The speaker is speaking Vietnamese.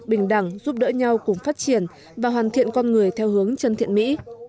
bình đẳng giúp đỡ nhau cùng phát triển và hoàn thiện con người theo hướng chân thiện mỹ